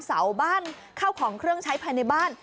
เสาบ้านเข้าของเครื่องใช้ภายในบ้าน